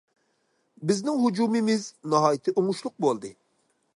بىزنىڭ ھۇجۇمىمىز ناھايىتى ئوڭۇشلۇق بولدى.